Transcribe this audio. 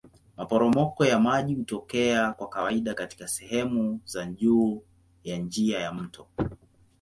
Maporomoko ya maji hutokea kwa kawaida katika sehemu za juu ya njia ya mto.